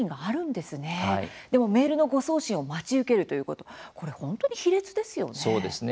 でもメールの誤送信を待ち受けるということ本当に卑劣ですよね。